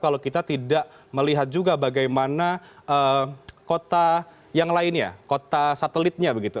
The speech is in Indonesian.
kalau kita tidak melihat juga bagaimana kota yang lainnya kota satelitnya begitu